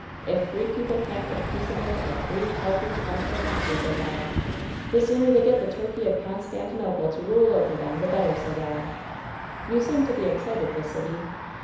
If free people can't live peaceable in a free, healthy, plentiful country, sez I, the sooner they get the Turkey of Constantinople to rule over them the better, sez I.'^ ^^You seem to be excited. Miss Sibby."